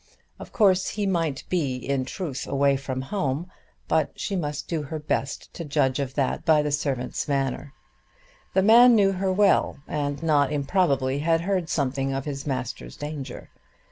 Of course he might be in truth away from home, but she must do her best to judge of that by the servant's manner. The man knew her well, and not improbably had heard something of his master's danger.